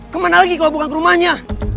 kemana lagi kalau bukan ke rumahnya